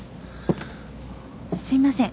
・すいません。